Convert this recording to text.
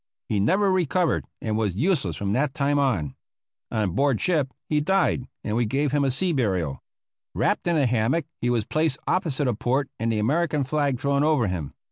He never recovered, and was useless from that time on. On board ship he died, and we gave him sea burial. Wrapped in a hammock, he was placed opposite a port, and the American flag thrown over him.